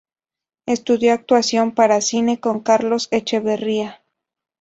Estudió actuación para cine con Carlos Echevarría.